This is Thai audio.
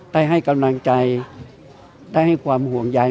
ให้กำลังใจได้ให้ความห่วงใย